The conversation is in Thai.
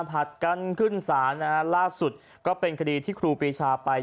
ผลัดกันขึ้นศาลนะฮะล่าสุดก็เป็นคดีที่ครูปีชาไป